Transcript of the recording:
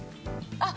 あっ！